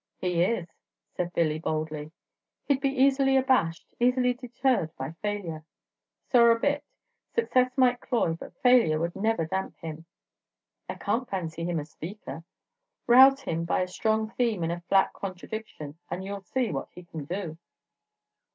"He is," said Billy, boldly. "He 'd be easily abashed, easily deterred by failure." "Sorra bit. Success might cloy, but failure would never damp him." "I can't fancy him a speaker." "Rouse him by a strong theme and a flat contradiction, and you 'll see what he can do."